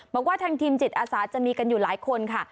บอกว่าทางทีมจิตอาสาจะมีกันอยู่หลายคนค่ะ